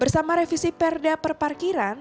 bersama revisi perda perparkiran